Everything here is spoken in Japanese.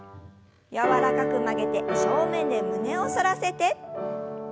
柔らかく曲げて正面で胸を反らせて。